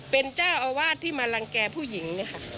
เป็นเจ้าอาวาสที่มารังแก่ผู้หญิงเนี่ยค่ะ